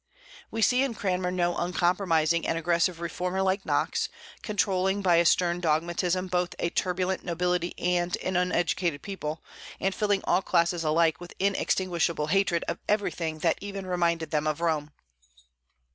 We see in Cranmer no uncompromising and aggressive reformer like Knox, controlling by a stern dogmatism both a turbulent nobility and an uneducated people, and filling all classes alike with inextinguishable hatred of everything that even reminded them of Rome.